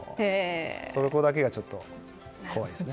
そこだけがちょっと怖いですね。